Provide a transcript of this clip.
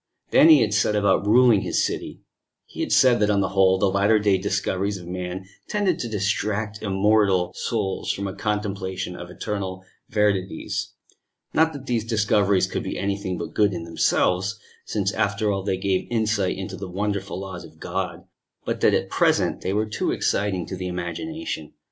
Then he had set about ruling his city: he had said that on the whole the latter day discoveries of man tended to distract immortal souls from a contemplation of eternal verities not that these discoveries could be anything but good in themselves, since after all they gave insight into the wonderful laws of God but that at present they were too exciting to the imagination.